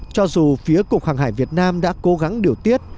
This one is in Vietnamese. cho dù phía cục hàng hải việt nam đã cố gắng điều tiết